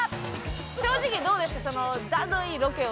正直どうでした？